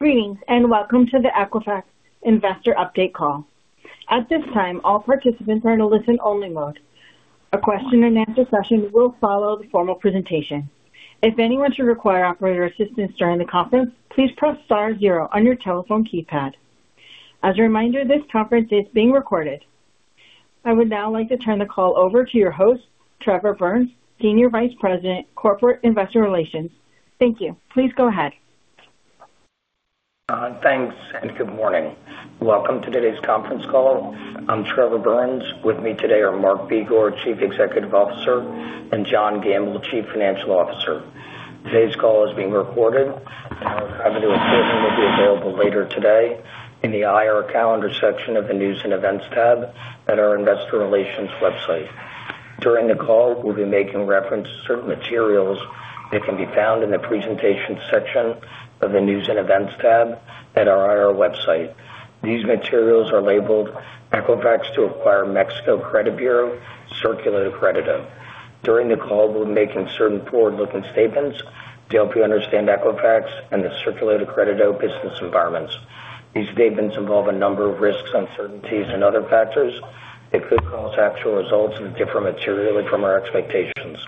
Greetings. Welcome to the Equifax Investor Update call. At this time, all participants are in a listen-only mode. A question-and-answer session will follow the formal presentation. If anyone should require operator assistance during the conference, please press star zero on your telephone keypad. As a reminder, this conference is being recorded. I would now like to turn the call over to your host, Trevor Burns, Senior Vice President, Corporate Investor Relations. Thank you. Please go ahead. Thanks. Good morning. Welcome to today's conference call. I'm Trevor Burns. With me today are Mark Begor, Chief Executive Officer, and John Gamble, Chief Financial Officer. Today's call is being recorded, and our copy of the recording will be available later today in the IR calendar section of the News and Events tab at our Investor Relations website. During the call, we'll be making reference to certain materials that can be found in the presentations section of the News and Events tab at our IR website. These materials are labeled Equifax to Acquire Mexico Credit Bureau, Círculo de Crédito. During the call, we'll be making certain forward-looking statements to help you understand Equifax and the Círculo de Crédito business environments. These statements involve a number of risks, uncertainties, and other factors that could cause actual results to differ materially from our expectations.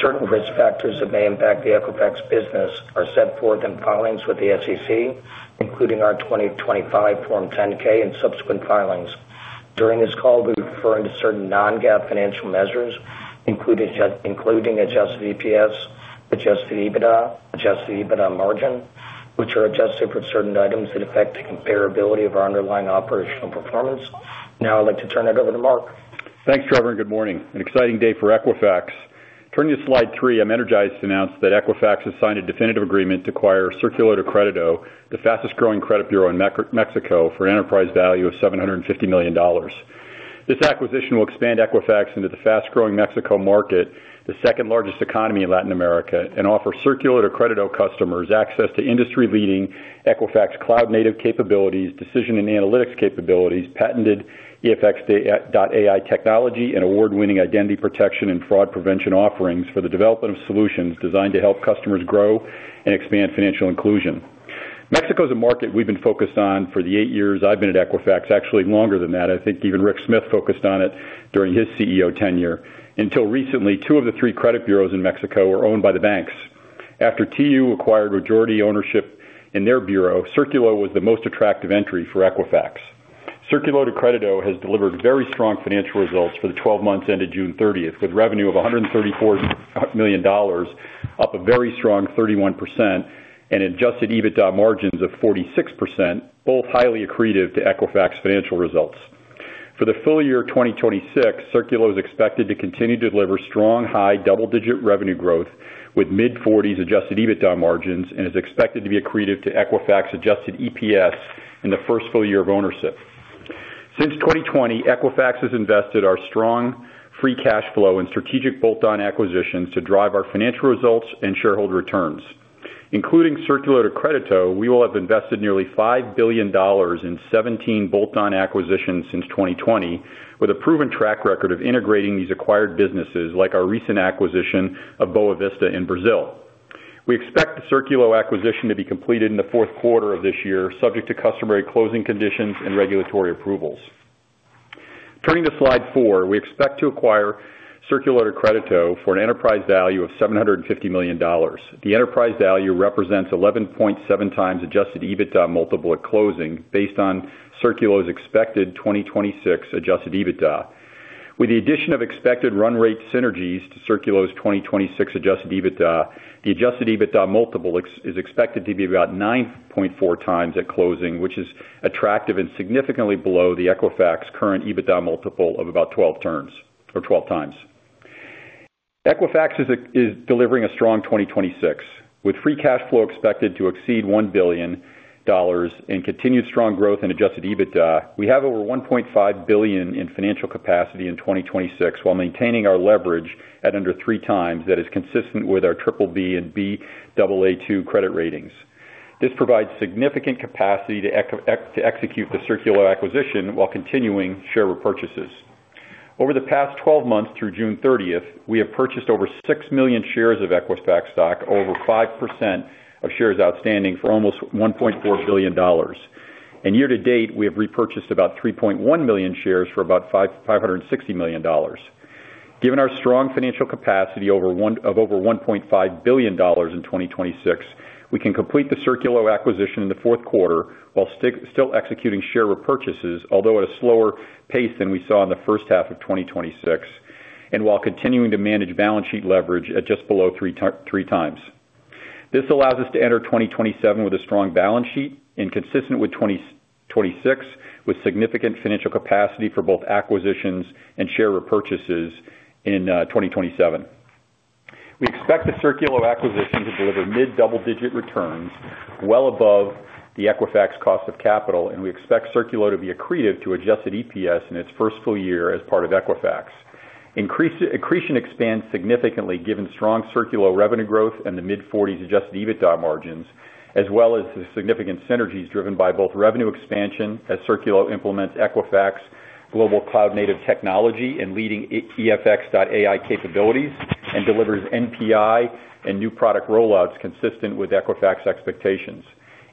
Certain risk factors that may impact the Equifax business are set forth in filings with the SEC, including our 2025 Form 10-K and subsequent filings. During this call, we'll be referring to certain non-GAAP financial measures, including adjusted EPS, adjusted EBITDA, adjusted EBITDA margin, which are adjusted for certain items that affect the comparability of our underlying operational performance. Now I'd like to turn it over to Mark. Thanks, Trevor. Good morning. An exciting day for Equifax. Turning to slide three, I'm energized to announce that Equifax has signed a definitive agreement to acquire Círculo de Crédito, the fastest growing credit bureau in Mexico, for an enterprise value of $750 million. This acquisition will expand Equifax into the fast-growing Mexico market, the second largest economy in Latin America, and offer Círculo de Crédito customers access to industry-leading Equifax cloud-native capabilities, decision and analytics capabilities, patented EFX.AI technology, and award-winning identity protection and fraud prevention offerings for the development of solutions designed to help customers grow and expand financial inclusion. Mexico is a market we've been focused on for the eight years I've been at Equifax. Actually, longer than that. I think even Rick Smith focused on it during his CEO tenure. Until recently, two of the three credit bureaus in Mexico were owned by the banks. After TU acquired majority ownership in their bureau, Círculo was the most attractive entry for Equifax. Círculo de Crédito has delivered very strong financial results for the 12 months ended June 30th, with revenue of $134 million, up a very strong 31%, and adjusted EBITDA margins of 46%, both highly accretive to Equifax financial results. For the full-year 2026, Círculo is expected to continue to deliver strong, high double-digit revenue growth, with mid-40s adjusted EBITDA margins, and is expected to be accretive to Equifax adjusted EPS in the first full-year of ownership. Since 2020, Equifax has invested our strong free cash flow in strategic bolt-on acquisitions to drive our financial results and shareholder returns. Including Círculo de Crédito, we will have invested nearly $5 billion in 17 bolt-on acquisitions since 2020, with a proven track record of integrating these acquired businesses, like our recent acquisition of Boa Vista in Brazil. We expect the Círculo acquisition to be completed in the fourth quarter of this year, subject to customary closing conditions and regulatory approvals. Turning to slide four. We expect to acquire Círculo de Crédito for an enterprise value of $750 million. The enterprise value represents 11.7x adjusted EBITDA multiple at closing based on Círculo's expected 2026 adjusted EBITDA. With the addition of expected run rate synergies to Círculo's 2026 adjusted EBITDA, the adjusted EBITDA multiple is expected to be about 9.4x at closing, which is attractive and significantly below the Equifax current EBITDA multiple of about 12 terms or 12x. Equifax is delivering a strong 2026, with free cash flow expected to exceed $1 billion and continued strong growth in adjusted EBITDA. We have over $1.5 billion in financial capacity in 2026 while maintaining our leverage at under 3x. That is consistent with our BBB and Baa2 credit ratings. This provides significant capacity to execute the Círculo acquisition while continuing share repurchases. Over the past 12 months through June 30th, we have purchased over 6 million shares of Equifax stock, over 5% of shares outstanding, for almost $1.4 billion. Year-to-date, we have repurchased about 3.1 million shares for about $560 million. Given our strong financial capacity of over $1.5 billion in 2026, we can complete the Círculo acquisition in the fourth quarter while still executing share repurchases, although at a slower pace than we saw in the first half of 2026, and while continuing to manage balance sheet leverage at just below 3x. This allows us to enter 2027 with a strong balance sheet and consistent with 2026, with significant financial capacity for both acquisitions and share repurchases in 2027. We expect the Círculo acquisition to deliver mid double-digit returns well above the Equifax cost of capital, and we expect Círculo to be accretive to adjusted EPS in its first full-year as part of Equifax. Accretion expands significantly given strong Círculo revenue growth and the mid-forties adjusted EBITDA margins as well as the significant synergies driven by both revenue expansion as Círculo implements Equifax global cloud-native technology and leading EFX.AI capabilities, and delivers NPI and new product rollouts consistent with Equifax expectations,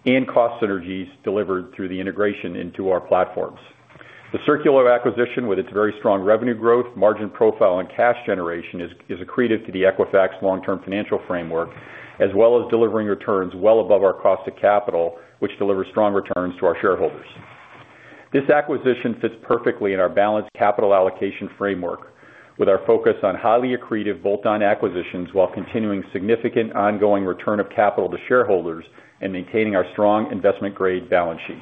and cost synergies delivered through the integration into our platforms. The Círculo acquisition, with its very strong revenue growth, margin profile, and cash generation, is accretive to the Equifax long-term financial framework, as well as delivering returns well above our cost of capital, which delivers strong returns to our shareholders. This acquisition fits perfectly in our balanced capital allocation framework, with our focus on highly accretive bolt-on acquisitions while continuing significant ongoing return of capital to shareholders and maintaining our strong investment-grade balance sheet.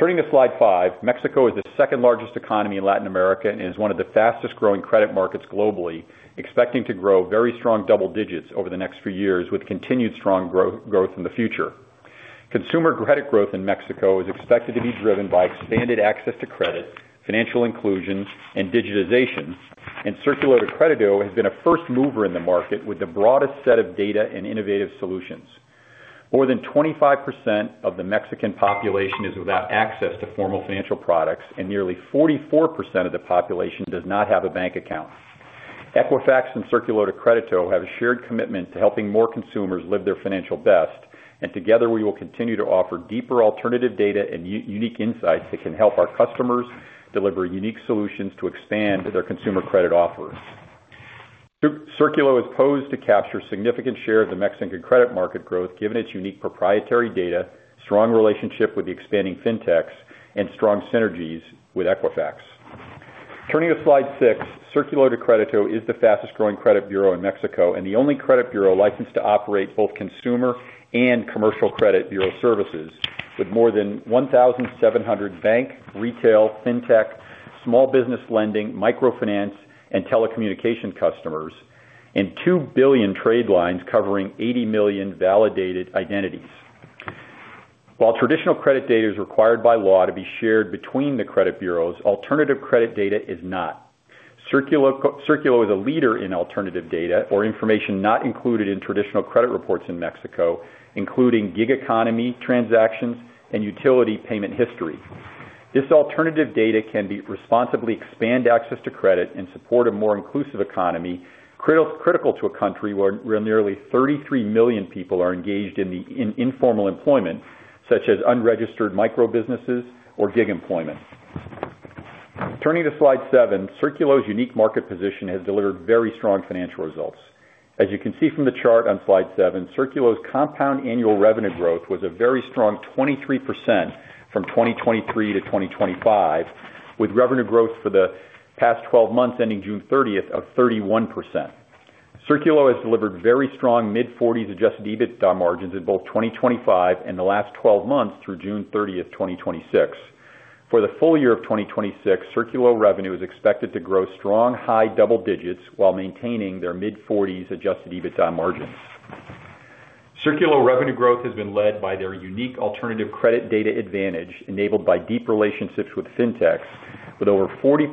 Turning to slide five. Mexico is the second largest economy in Latin America and is one of the fastest-growing credit markets globally, expecting to grow very strong double digits over the next few years, with continued strong growth in the future. Consumer credit growth in Mexico is expected to be driven by expanded access to credit, financial inclusion, and digitization. Círculo de Crédito has been a first mover in the market with the broadest set of data and innovative solutions. More than 25% of the Mexican population is without access to formal financial products, and nearly 44% of the population does not have a bank account. Equifax and Círculo de Crédito have a shared commitment to helping more consumers live their financial best. Together we will continue to offer deeper alternative data and unique insights that can help our customers deliver unique solutions to expand their consumer credit offerings. Círculo is poised to capture a significant share of the Mexican credit market growth given its unique proprietary data, strong relationship with the expanding fintechs, and strong synergies with Equifax. Turning to slide six. Círculo de Crédito is the fastest-growing credit bureau in Mexico and the only credit bureau licensed to operate both consumer and commercial credit bureau services, with more than 1,700 bank, retail, fintech, small business lending, microfinance, and telecommunication customers, and 2 billion trade lines covering 80 million validated identities. While traditional credit data is required by law to be shared between the credit bureaus, alternative credit data is not. Círculo is a leader in alternative data or information not included in traditional credit reports in Mexico, including gig economy transactions and utility payment history. This alternative data can responsibly expand access to credit and support a more inclusive economy, critical to a country where nearly 33 million people are engaged in informal employment, such as unregistered micro-businesses or gig employment. Turning to slide seven. Círculo's unique market position has delivered very strong financial results. As you can see from the chart on slide seven, Círculo's compound annual revenue growth was a very strong 23% from 2023 to 2025, with revenue growth for the past 12 months ending June 30th of 31%. Círculo has delivered very strong mid-40s adjusted EBITDA margins in both 2025 and the last 12 months through June 30th, 2026. For the full-year of 2026, Círculo revenue is expected to grow strong high double digits while maintaining their mid-40s adjusted EBITDA margins. Círculo revenue growth has been led by their unique alternative credit data advantage enabled by deep relationships with fintechs. With over 40%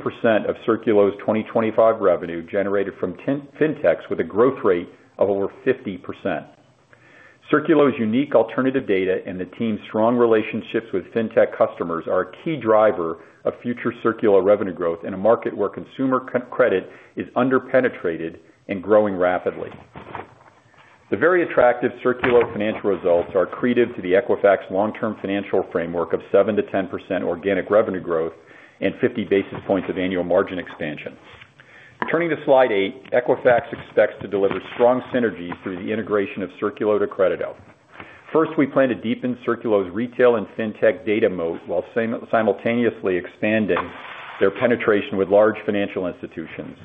of Círculo's 2025 revenue generated from fintechs, with a growth rate of over 50%. Círculo's unique alternative data and the team's strong relationships with fintech customers are a key driver of future Círculo revenue growth in a market where consumer credit is under-penetrated and growing rapidly. The very attractive Círculo financial results are accretive to the Equifax long-term financial framework of 7% to 10% organic revenue growth and 50 basis points of annual margin expansion. Turning to slide eight. Equifax expects to deliver strong synergies through the integration of Círculo de Crédito. First, we plan to deepen Círculo's retail and fintech data moat while simultaneously expanding their penetration with large financial institutions.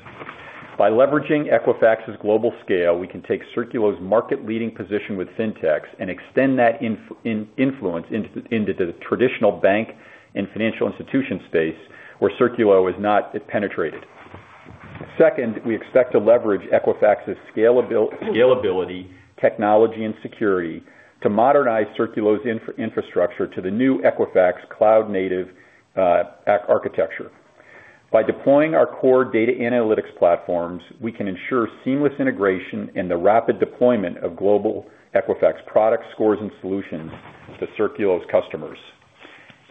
By leveraging Equifax's global scale, we can take Círculo's market-leading position with fintechs and extend that influence into the traditional bank and financial institution space where Círculo is not as penetrated. Second, we expect to leverage Equifax's scalability, technology, and security to modernize Círculo's infrastructure to the new Equifax Cloud-native architecture. By deploying our core data analytics platforms, we can ensure seamless integration and the rapid deployment of global Equifax products, scores, and solutions to Círculo's customers.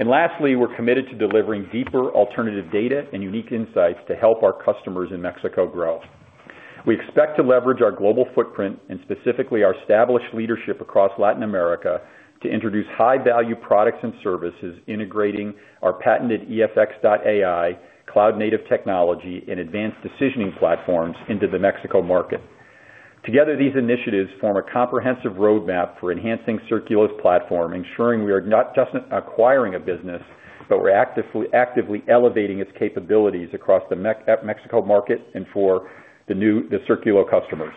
Lastly, we're committed to delivering deeper alternative data and unique insights to help our customers in Mexico grow. We expect to leverage our global footprint, and specifically our established leadership across Latin America, to introduce high-value products and services integrating our patented EFX.AI cloud-native technology and advanced decisioning platforms into the Mexico market. Together, these initiatives form a comprehensive roadmap for enhancing Círculo's platform, ensuring we are not just acquiring a business, but we're actively elevating its capabilities across the Mexico market and for the new Círculo customers.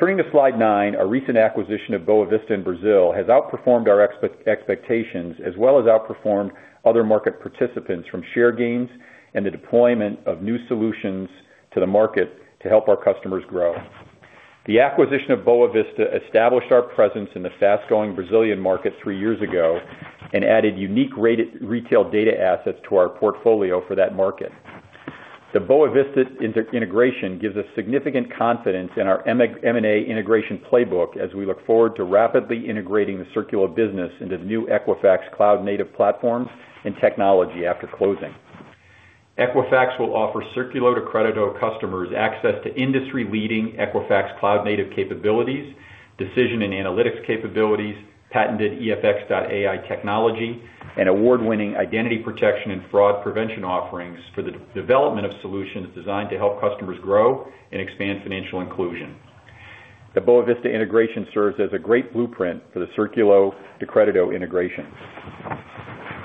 Turning to slide nine. Our recent acquisition of Boa Vista in Brazil has outperformed our expectations as well as outperformed other market participants from share gains and the deployment of new solutions to the market to help our customers grow. The acquisition of Boa Vista established our presence in the fast-growing Brazilian market three years ago and added unique retail data assets to our portfolio for that market. The Boa Vista integration gives us significant confidence in our M&A integration playbook as we look forward to rapidly integrating the Círculo business into the new Equifax Cloud-native platforms and technology after closing. Equifax will offer Círculo de Crédito customers access to industry-leading Equifax Cloud-native capabilities, decision and analytics capabilities, patented EFX.AI technology, and award-winning identity protection and fraud prevention offerings for the development of solutions designed to help customers grow and expand financial inclusion. The Boa Vista integration serves as a great blueprint for the Círculo de Crédito integration.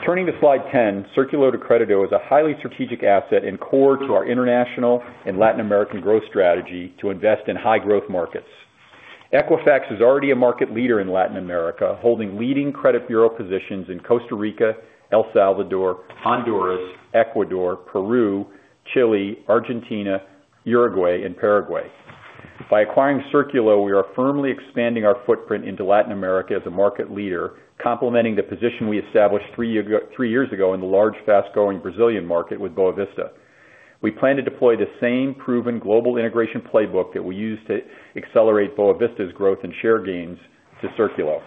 Turning to slide 10, Círculo de Crédito is a highly strategic asset and core to our international and Latin American growth strategy to invest in high-growth markets. Equifax is already a market leader in Latin America, holding leading credit bureau positions in Costa Rica, El Salvador, Honduras, Ecuador, Peru, Chile, Argentina, Uruguay, and Paraguay. By acquiring Círculo, we are firmly expanding our footprint into Latin America as a market leader, complementing the position we established three years ago in the large, fast-growing Brazilian market with Boa Vista. We plan to deploy the same proven global integration playbook that we used to accelerate Boa Vista's growth and share gains to Círculo.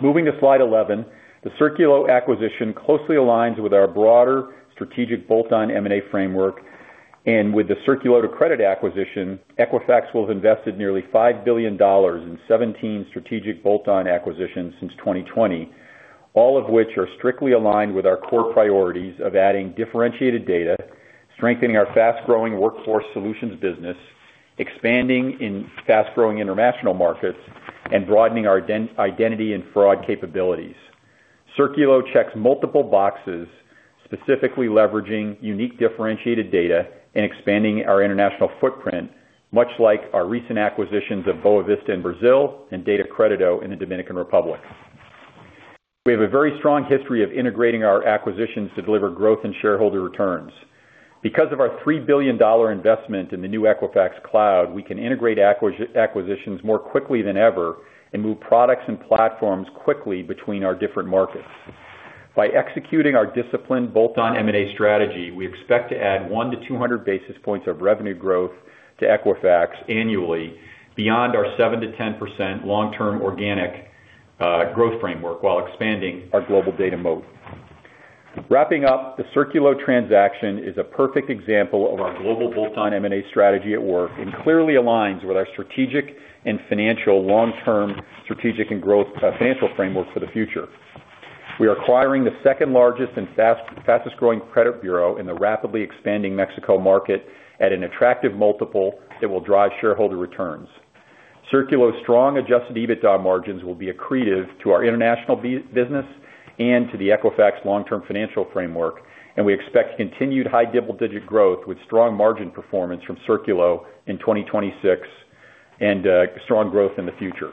Moving to slide 11, the Círculo acquisition closely aligns with our broader strategic bolt-on M&A framework. With the Círculo de Crédito acquisition, Equifax will have invested nearly $5 billion in 17 strategic bolt-on acquisitions since 2020, all of which are strictly aligned with our core priorities of adding differentiated data, strengthening our fast-growing workforce solutions business, expanding in fast-growing international markets, and broadening our identity and fraud capabilities. Círculo checks multiple boxes, specifically leveraging unique differentiated data and expanding our international footprint, much like our recent acquisitions of Boa Vista in Brazil and Data-Crédito in the Dominican Republic. We have a very strong history of integrating our acquisitions to deliver growth and shareholder returns. Because of our $3 billion investment in the new Equifax Cloud, we can integrate acquisitions more quickly than ever and move products and platforms quickly between our different markets. By executing our disciplined bolt-on M&A strategy, we expect to add 100 basis points-200 basis points of revenue growth to Equifax annually beyond our 7%-10% long-term organic growth framework while expanding our global data moat. Wrapping up, the Círculo transaction is a perfect example of our global bolt-on M&A strategy at work and clearly aligns with our strategic and financial long-term strategic and growth financial framework for the future. We are acquiring the second largest and fastest-growing credit bureau in the rapidly expanding Mexico market at an attractive multiple that will drive shareholder returns. Círculo's strong adjusted EBITDA margins will be accretive to our international business and to the Equifax long-term financial framework, and we expect continued high double-digit growth with strong margin performance from Círculo in 2026 and strong growth in the future.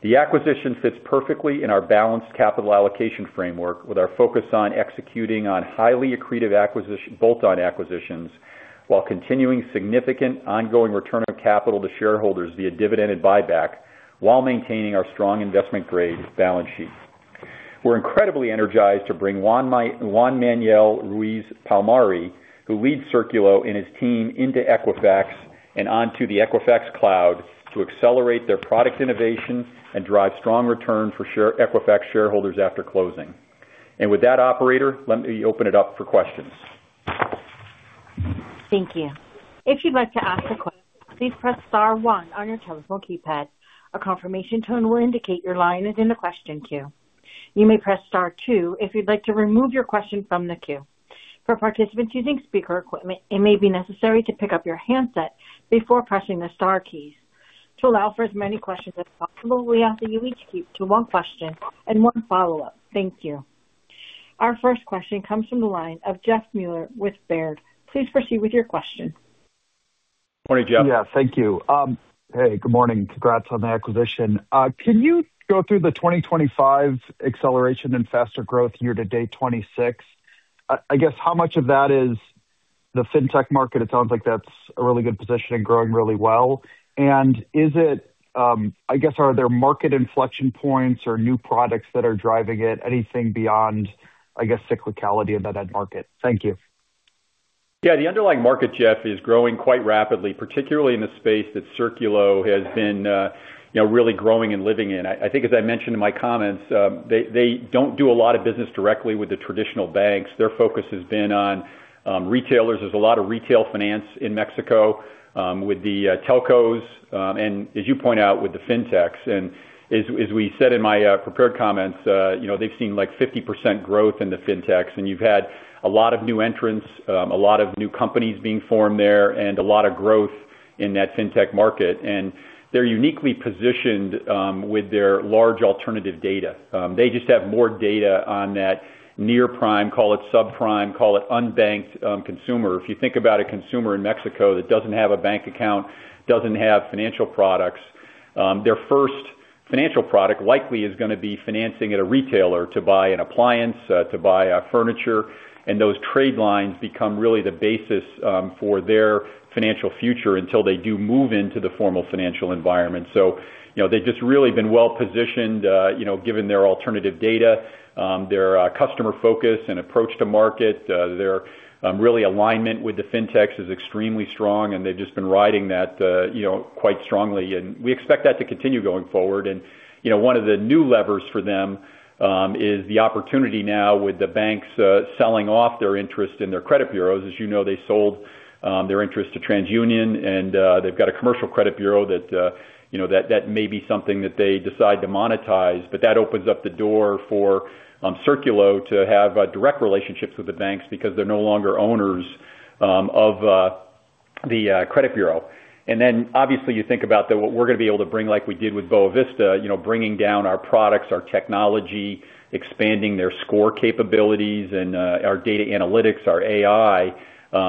The acquisition fits perfectly in our balanced capital allocation framework, with our focus on executing on highly accretive bolt-on acquisitions while continuing significant ongoing return of capital to shareholders via dividend and buyback while maintaining our strong investment-grade balance sheet. We're incredibly energized to bring Juan Manuel Ruiz Palmieri, who leads Círculo, and his team into Equifax and onto the Equifax Cloud to accelerate their product innovation and drive strong return for Equifax shareholders after closing. With that, operator, let me open it up for questions. Thank you. If you'd like to ask a question, please press star one on your telephone keypad. A confirmation tone will indicate your line is in the question queue. You may press star two if you'd like to remove your question from the queue. For participants using speaker equipment, it may be necessary to pick up your handset before pressing the star keys. To allow for as many questions as possible, we ask that you each keep to one question and one follow-up. Thank you. Our first question comes from the line of Jeff Meuler with Baird. Please proceed with your question. Morning, Jeff. Yeah, thank you. Hey, good morning. Congrats on the acquisition. Can you go through the 2025 acceleration and faster growth year-to-date 2026? I guess how much of that is the fintech market? It sounds like that's a really good position and growing really well. I guess are there market inflection points or new products that are driving it, anything beyond, I guess, cyclicality of that end market? Thank you. Yeah. The underlying market, Jeff, is growing quite rapidly, particularly in the space that Círculo has been really growing and living in. I think as I mentioned in my comments, they don't do a lot of business directly with the traditional banks. Their focus has been on retailers. There's a lot of retail finance in Mexico, with the telcos, and as you point out, with the fintechs. As we said in my prepared comments, they've seen 50% growth in the fintechs, and you've had a lot of new entrants, a lot of new companies being formed there, and a lot of growth in that fintech market. They're uniquely positioned with their large alternative data. They just have more data on that near-prime, call it subprime, call it unbanked consumer. If you think about a consumer in Mexico that doesn't have a bank account, doesn't have financial products. Their first financial product likely is going to be financing at a retailer to buy an appliance, to buy furniture, and those trade lines become really the basis for their financial future until they do move into the formal financial environment. They've just really been well-positioned given their alternative data, their customer focus and approach to market, their alignment with the fintechs is extremely strong, and they've just been riding that quite strongly. We expect that to continue going forward. One of the new levers for them is the opportunity now with the banks selling off their interest in their credit bureaus. As you know, they sold their interest to TransUnion, they've got a commercial credit bureau that may be something that they decide to monetize. That opens up the door for Círculo to have direct relationships with the banks because they're no longer owners of the credit bureau. Obviously you think about what we're going to be able to bring, like we did with Boa Vista, bringing down our products, our technology, expanding their score capabilities and our data analytics, our AI.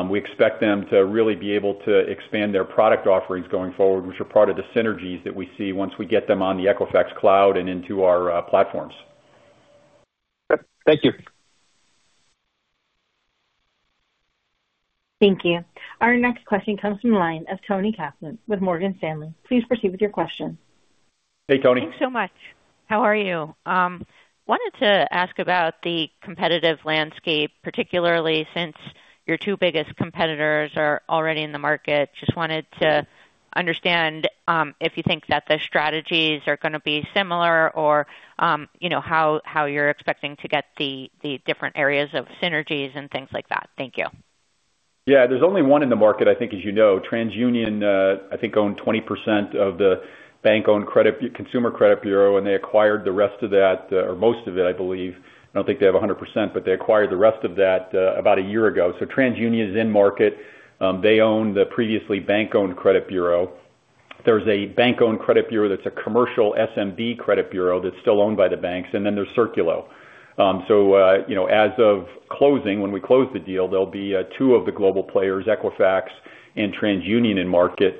We expect them to really be able to expand their product offerings going forward, which are part of the synergies that we see once we get them on the Equifax Cloud and into our platforms. Thank you. Thank you. Our next question comes from the line of Toni Kaplan with Morgan Stanley. Please proceed with your question. Hey, Toni. Thanks so much. How are you? Wanted to ask about the competitive landscape, particularly since your two biggest competitors are already in the market. Just wanted to understand if you think that the strategies are going to be similar or how you're expecting to get the different areas of synergies and things like that. Thank you. Yeah. There's only one in the market, I think as you know. TransUnion I think owned 20% of the bank-owned consumer credit bureau, and they acquired the rest of that, or most of it, I believe. I don't think they have 100%, but they acquired the rest of that about a year ago. TransUnion is in market. They own the previously bank-owned credit bureau. There's a bank-owned credit bureau that's a commercial SMB credit bureau that's still owned by the banks, and then there's Círculo. As of closing, when we close the deal, there'll be two of the global players, Equifax and TransUnion in market.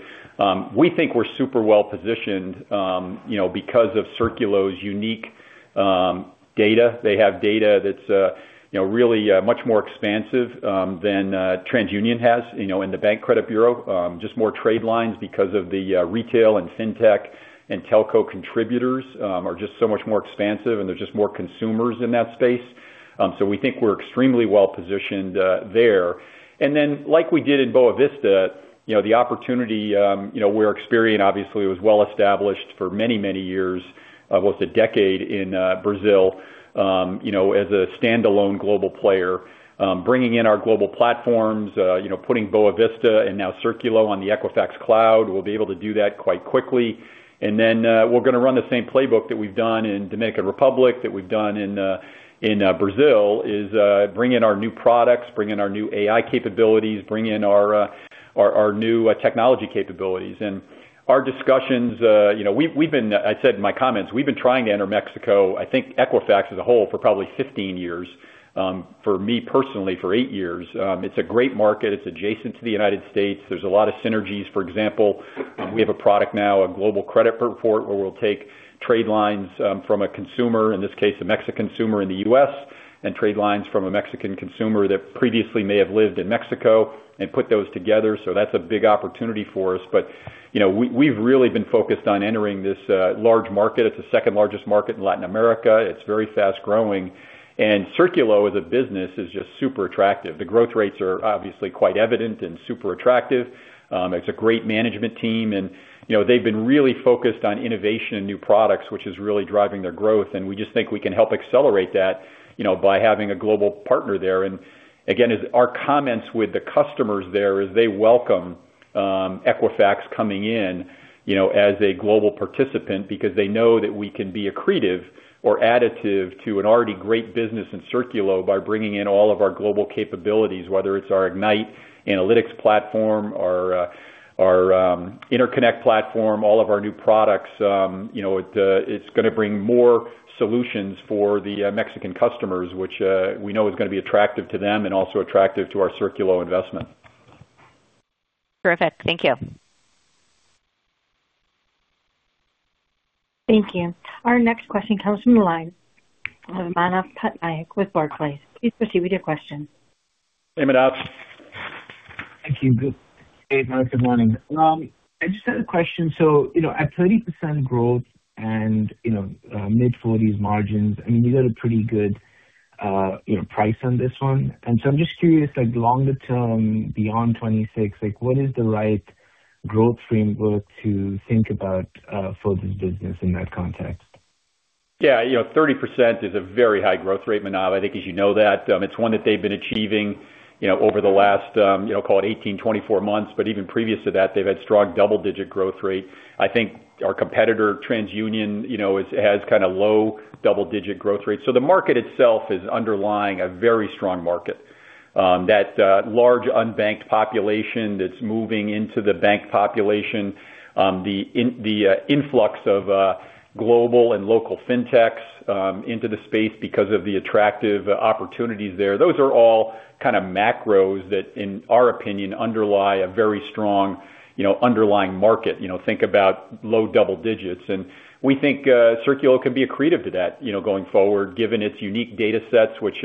We think we're super well positioned because of Círculo's unique data. They have data that's really much more expansive than TransUnion has in the bank credit bureau. Just more trade lines because of the retail and fintech and telco contributors are just so much more expansive, and there's just more consumers in that space. We think we're extremely well positioned there. Like we did in Boa Vista, the opportunity where Experian obviously was well established for many, many years, almost a decade in Brazil as a standalone global player bringing in our global platforms, putting Boa Vista and now Círculo on the Equifax Cloud. We'll be able to do that quite quickly. We're going to run the same playbook that we've done in Dominican Republic, that we've done in Brazil, is bring in our new products, bring in our new AI capabilities, bring in our new technology capabilities. Our discussions, I said in my comments, we've been trying to enter Mexico, I think Equifax as a whole, for probably 15 years. For me personally, for eight years. It's a great market. It's adjacent to the United States. There's a lot of synergies. For example, we have a product now, a global credit report, where we'll take trade lines from a consumer, in this case a Mexican consumer in the U.S., and trade lines from a Mexican consumer that previously may have lived in Mexico and put those together. That's a big opportunity for us. We've really been focused on entering this large market. It's the second largest market in Latin America. It's very fast-growing, Círculo as a business is just super attractive. The growth rates are obviously quite evident and super attractive. It's a great management team, they've been really focused on innovation and new products, which is really driving their growth, we just think we can help accelerate that by having a global partner there. Our comments with the customers there is they welcome Equifax coming in as a global participant because they know that we can be accretive or additive to an already great business in Círculo by bringing in all of our global capabilities, whether it's our Ignite analytics platform, our InterConnect platform, all of our new products. It's going to bring more solutions for the Mexican customers, which we know is going to be attractive to them and also attractive to our Círculo investment. Terrific. Thank you. Thank you. Our next question comes from the line of Manav Patnaik with Barclays. Please proceed with your question. Hey, Manav. Thank you. Good day, Mark. Good morning. I just had a question. At 30% growth and mid-40s margins, I mean, you got a pretty good price on this one. So I'm just curious, like longer term, beyond 2026, like what is the right growth framework to think about for this business in that context? Yeah. 30% is a very high growth rate, Manav. I think as you know that. It's one that they've been achieving over the last call it 18 months, 24 months, but even previous to that they've had strong double-digit growth rate. I think our competitor, TransUnion has kind of low double-digit growth rate. The market itself is underlying a very strong market. That large unbanked population that's moving into the bank population, the influx of global and local fintechs into the space because of the attractive opportunities there, those are all kind of macros that, in our opinion, underlie a very strong underlying market. Think about low double digits. We think Círculo can be accretive to that going forward, given its unique data sets, which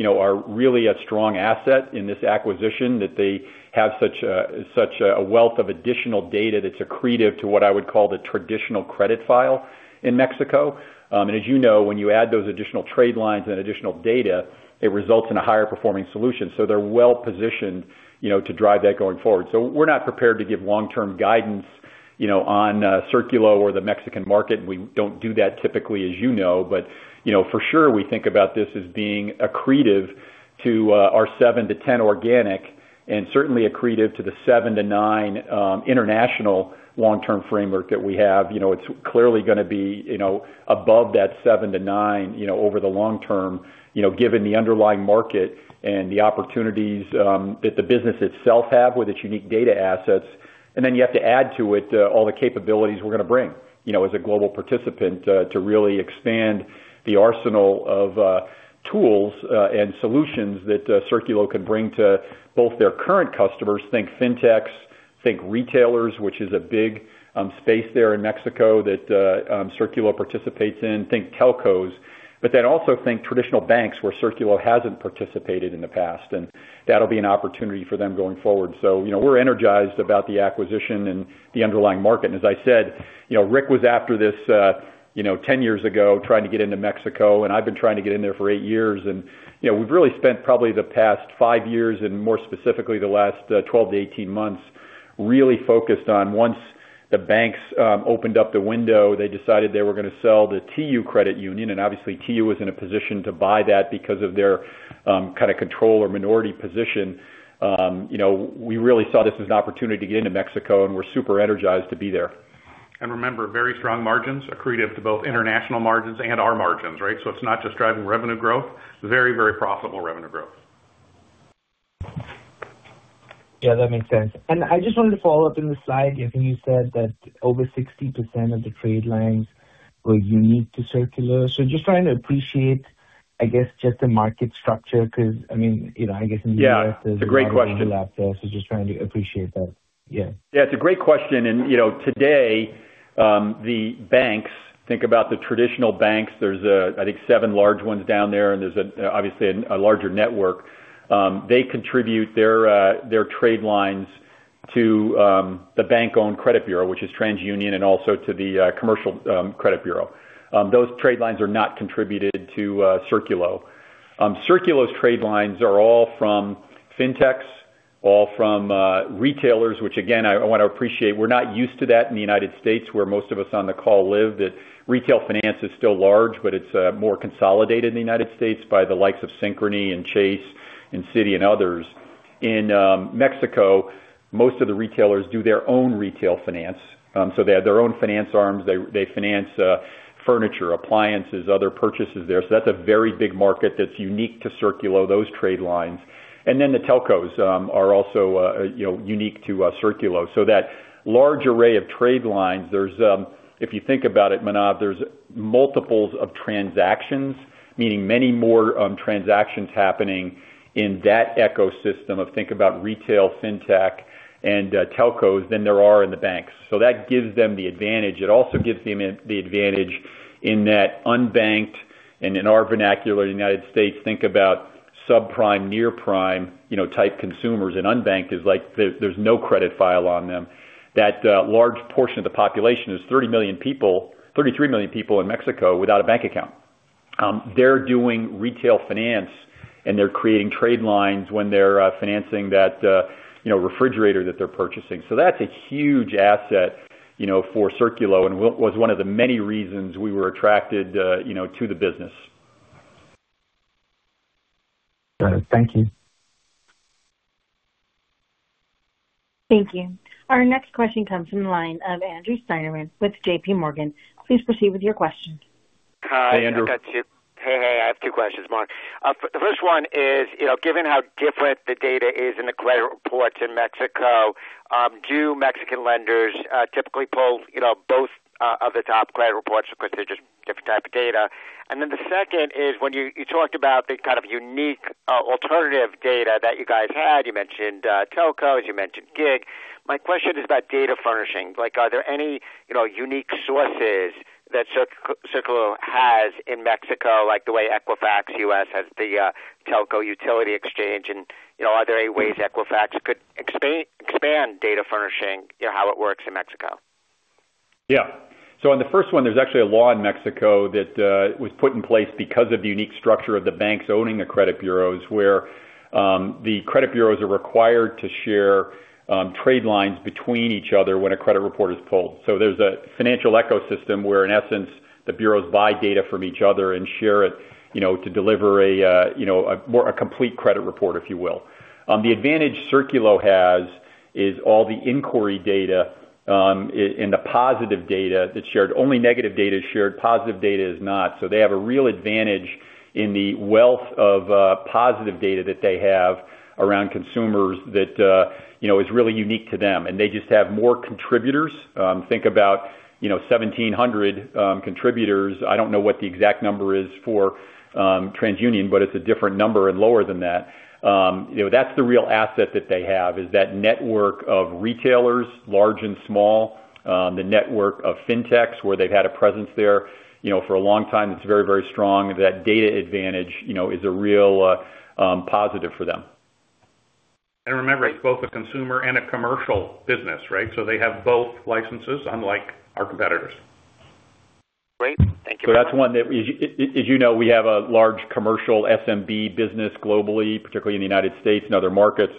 are really a strong asset in this acquisition that they have such a wealth of additional data that's accretive to what I would call the traditional credit file in Mexico. As you know, when you add those additional trade lines and additional data, it results in a higher performing solution. They're well-positioned to drive that going forward. We're not prepared to give long-term guidance on Círculo or the Mexican market. We don't do that typically, as you know. For sure, we think about this as being accretive to our 7-10 organic and certainly accretive to the seven to nine international long-term framework that we have. It's clearly going to be above that seven to nine over the long term, given the underlying market and the opportunities that the business itself have with its unique data assets. You have to add to it all the capabilities we're going to bring as a global participant to really expand the arsenal of tools and solutions that Círculo can bring to both their current customers, think fintechs, think retailers, which is a big space there in Mexico that Círculo participates in, think telcos. Also think traditional banks where Círculo hasn't participated in the past, and that'll be an opportunity for them going forward. We're energized about the acquisition and the underlying market. As I said, Rick was after this 10 years ago, trying to get into Mexico, and I've been trying to get in there for eight years. We've really spent probably the past five years, and more specifically the last 12 months-18 months, really focused on once the banks opened up the window, they decided they were going to sell the TU Credit Union, and obviously TU was in a position to buy that because of their control or minority position. We really saw this as an opportunity to get into Mexico, and we're super energized to be there. And remember, very strong margins, accretive to both international margins and our margins, right? It's not just driving revenue growth. Very profitable revenue growth. Yeah, that makes sense. I just wanted to follow up in the slide. I think you said that over 60% of the trade lines were unique to Círculo. Just trying to appreciate, I guess, just the market structure, because, I guess in the U.S.- Yeah. It's a great question just trying to appreciate that. Yeah. Yeah, it's a great question. Today, the banks, think about the traditional banks, there's I think seven large ones down there, and there's obviously a larger network. They contribute their trade lines to the bank-owned credit bureau, which is TransUnion, and also to the commercial credit bureau. Those trade lines are not contributed to Círculo. Círculo's trade lines are all from fintechs, all from retailers, which again, I want to appreciate. We're not used to that in the United States, where most of us on the call live, that retail finance is still large, but it's more consolidated in the United States. by the likes of Synchrony, and Chase, and Citi and others. In Mexico, most of the retailers do their own retail finance. They have their own finance arms. They finance furniture, appliances, other purchases there. That's a very big market that's unique to Círculo, those trade lines. The telcos are also unique to Círculo. That large array of trade lines, if you think about it, Manav, there's multiples of transactions, meaning many more transactions happening in that ecosystem of think about retail, fintech, and telcos than there are in the banks. That gives them the advantage. It also gives them the advantage in that unbanked, and in our vernacular in the United States, think about subprime, near-prime type consumers and unbanked is like there's no credit file on them. That large portion of the population is 33 million people in Mexico without a bank account. They're doing retail finance and they're creating trade lines when they're financing that refrigerator that they're purchasing. That's a huge asset for Círculo and was one of the many reasons we were attracted to the business. Got it. Thank you. Thank you. Our next question comes from the line of Andrew Steinerman with JPMorgan. Please proceed with your question. Hi, Andrew. Hey. I have two questions, Mark. The first one is, given how different the data is in the credit reports in Mexico, do Mexican lenders typically pull both of the top credit reports? Of course, they're just different type of data. The second is, when you talked about the kind of unique alternative data that you guys had, you mentioned telcos, you mentioned gig. My question is about data furnishing. Are there any unique sources that Círculo has in Mexico, like the way Equifax U.S. has the Telco Utility Exchange, and are there any ways Equifax could expand data furnishing, how it works in Mexico? Yeah. On the first one, there's actually a law in Mexico that was put in place because of the unique structure of the banks owning the credit bureaus, where the credit bureaus are required to share trade lines between each other when a credit report is pulled. There's a financial ecosystem where, in essence, the bureaus buy data from each other and share it to deliver a complete credit report, if you will. The advantage Círculo has is all the inquiry data and the positive data that's shared. Only negative data is shared, positive data is not. They have a real advantage in the wealth of positive data that they have around consumers that is really unique to them, and they just have more contributors. Think about 1,700 contributors. I don't know what the exact number is for TransUnion, but it's a different number and lower than that. That's the real asset that they have, is that network of retailers, large and small, the network of fintechs, where they've had a presence there for a long time that's very strong. That data advantage is a real positive for them. Remember, it's both a consumer and a commercial business, right? They have both licenses, unlike our competitors. Great. Thank you. That's one that, as you know, we have a large commercial SMB business globally, particularly in the United States and other markets.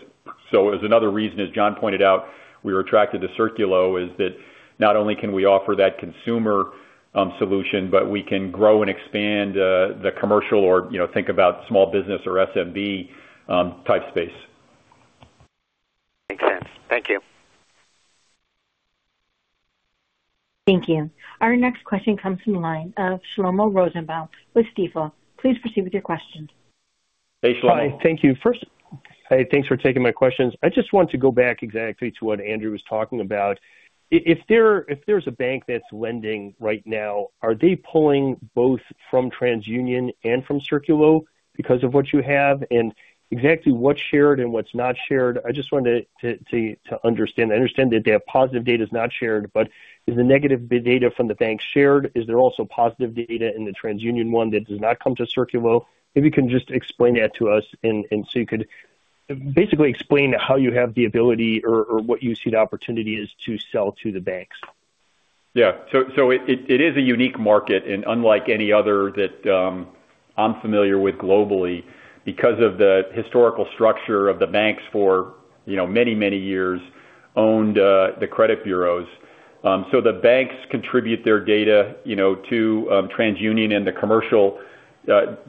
As another reason, as John pointed out, we were attracted to Círculo is that not only can we offer that consumer solution, but we can grow and expand the commercial or think about small business or SMB type space. Makes sense. Thank you. Thank you. Our next question comes from the line of Shlomo Rosenbaum with Stifel. Please proceed with your question. Hey, Shlomo. Hi. Thank you. First, hey, thanks for taking my questions. I just want to go back exactly to what Andrew was talking about. If there's a bank that's lending right now, are they pulling both from TransUnion and from Círculo because of what you have? Exactly what's shared and what's not shared, I just wanted to understand. I understand that their positive data is not shared, but is the negative data from the bank shared? Is there also positive data in the TransUnion one that does not come to Círculo? If you can just explain that to us so you could basically explain how you have the ability or what you see the opportunity is to sell to the banks. Yeah. It is a unique market unlike any other that I'm familiar with globally because of the historical structure of the banks for many years owned the credit bureaus. The banks contribute their data to TransUnion and the commercial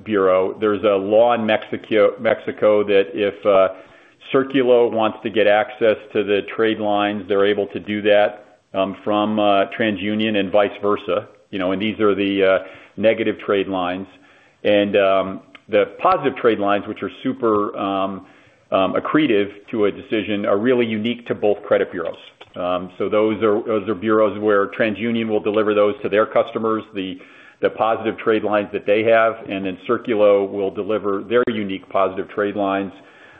bureau. There's a law in Mexico that if Círculo wants to get access to the trade lines, they're able to do that from TransUnion and vice versa. These are the negative trade lines. The positive trade lines, which are super accretive to a decision, are really unique to both credit bureaus. Those are bureaus where TransUnion will deliver those to their customers, the positive trade lines that they have, and then Círculo will deliver their unique positive trade lines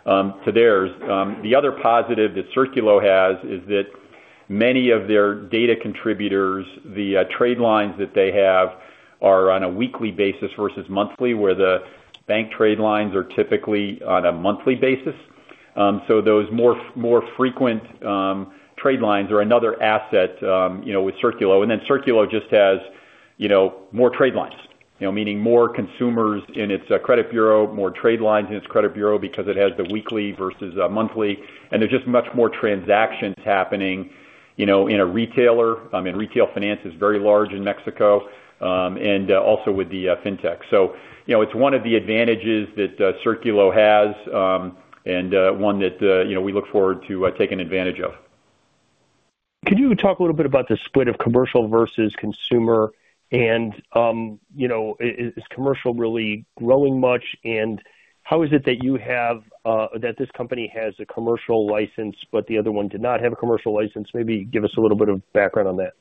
to theirs. The other positive that Círculo has is that many of their data contributors, the trade lines that they have are on a weekly basis versus monthly, where the bank trade lines are typically on a monthly basis. Those more frequent trade lines are another asset with Círculo. Círculo just has more trade lines, meaning more consumers in its credit bureau, more trade lines in its credit bureau because it has the weekly versus monthly. There's just much more transactions happening in a retailer. I mean, retail finance is very large in Mexico, and also with the fintech. It's one of the advantages that Círculo has and one that we look forward to taking advantage of. Could you talk a little bit about the split of commercial versus consumer and is commercial really growing much? How is it that this company has a commercial license, but the other one did not have a commercial license? Maybe give us a little bit of background on that.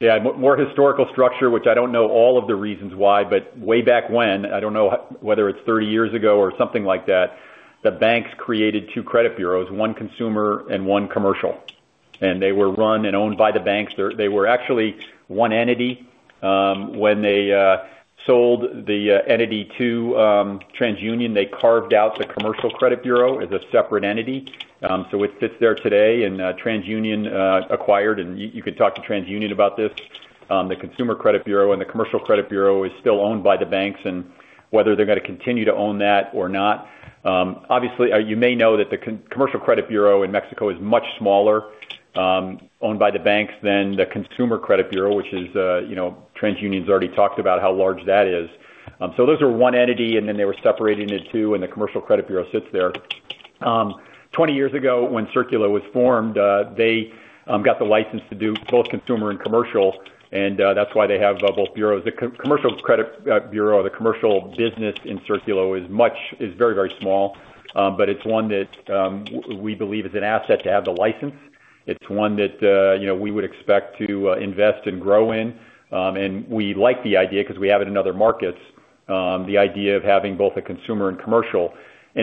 Yeah. More historical structure, which I don't know all of the reasons why, but way back when, I don't know whether it's 30 years ago or something like that, the banks created two credit bureaus, one consumer and one commercial, and they were run and owned by the banks. They were actually one entity. When they sold the entity to TransUnion, they carved out the commercial credit bureau as a separate entity. It sits there today, and TransUnion acquired, and you could talk to TransUnion about this. The consumer credit bureau and the commercial credit bureau is still owned by the banks and whether they're going to continue to own that or not. You may know that the commercial credit bureau in Mexico is much smaller, owned by the banks than the consumer credit bureau, which TransUnion's already talked about how large that is. Those are one entity, then they were separated into two, and the commercial credit bureau sits there. 20 years ago, when Círculo was formed, they got the license to do both consumer and commercial, and that is why they have both bureaus. The commercial credit bureau or the commercial business in Círculo is very small, but it is one that we believe is an asset to have the license. It is one that we would expect to invest and grow in. We like the idea because we have it in other markets, the idea of having both a consumer and commercial.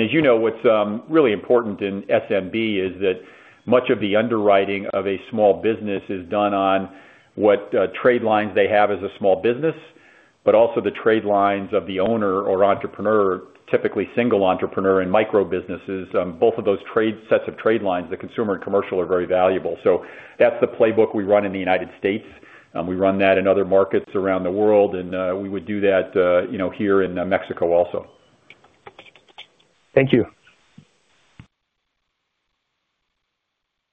As you know, what is really important in SMB is that much of the underwriting of a small business is done on what trade lines they have as a small business, but also the trade lines of the owner or entrepreneur, typically single entrepreneur in micro businesses both of those sets of trade lines, the consumer and commercial are very valuable. That is the playbook we run in the United States. We run that in other markets around the world, and we would do that here in Mexico also. Thank you.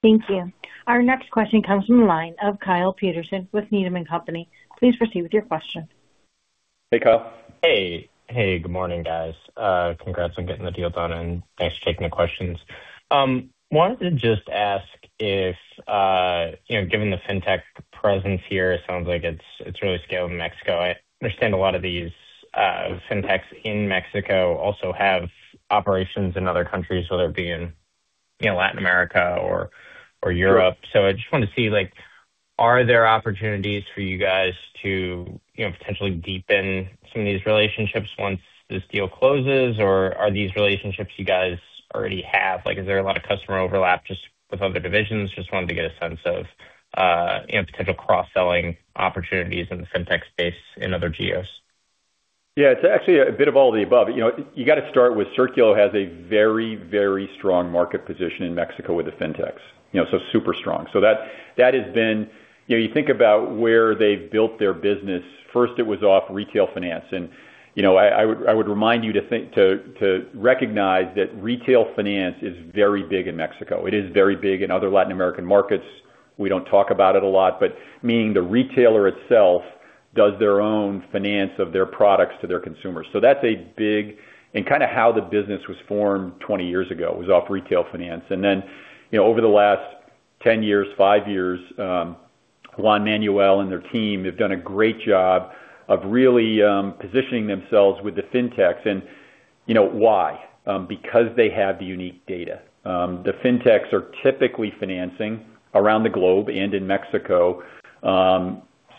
Thank you. Our next question comes from the line of Kyle Peterson with Needham & Company. Please proceed with your question. Hey, Kyle. Hey. Good morning, guys. Congrats on getting the deal done, and thanks for taking the questions. Wanted to just ask if, given the fintech presence here, it sounds like it's really scaled in Mexico. I understand a lot of these fintechs in Mexico also have operations in other countries, whether it be in Latin America or Europe. I just wanted to see, are there opportunities for you guys to potentially deepen some of these relationships once this deal closes, or are these relationships you guys already have? Is there a lot of customer overlap just with other divisions? Just wanted to get a sense of potential cross-selling opportunities in the fintech space in other geos. Yeah, it's actually a bit of all the above. You got to start with, Círculo has a very strong market position in Mexico with the fintechs. Super strong. You think about where they've built their business. First, it was off retail finance. I would remind you to recognize that retail finance is very big in Mexico. It is very big in other Latin American markets. We don't talk about it a lot, meaning the retailer itself does their own finance of their products to their consumers. How the business was formed 20 years ago. It was off retail finance. Then, over the last 10 years, five years, Juan Manuel and their team have done a great job of really positioning themselves with the fintechs. Why? Because they have the unique data. The fintechs are typically financing around the globe and in Mexico,